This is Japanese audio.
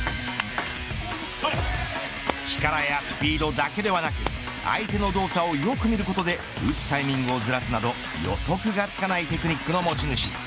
力やスピードだけではなく相手の動作をよく見ることで打つタイミングをずらすなど予測がつかないテクニックの持ち主。